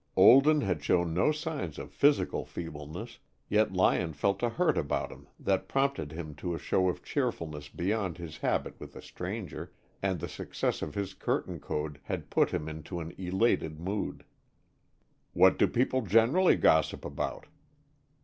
Olden had shown no signs of physical feebleness, yet Lyon felt a hurt about him that prompted him to a show of cheerfulness beyond his habit with a stranger, and the success of his curtain code had put him into an elated mood. "What do people generally gossip about?"